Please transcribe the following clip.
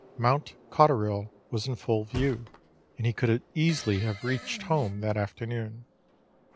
Mount Cotterill was in full view, and he could easily have reached home that afternoon.